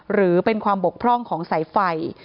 หรือเป็นความบกพร่องของสายไฟ